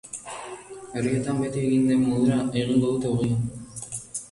Herrietan beti egin den modura egingo dute ogia.